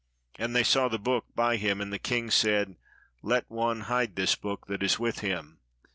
And they saw the book by him; and the king said, "Let one hide this book that is with him."